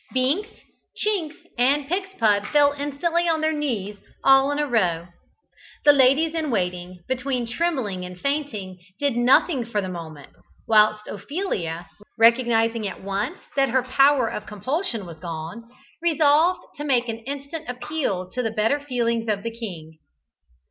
Binks, Chinks, and Pigspud fell instantly on their knees, all in a row. The ladies in waiting, between trembling and fainting, did nothing for the moment, whilst Ophelia, recognising at once that her power of compulsion was gone, resolved to make an instant appeal to the better feelings of the king.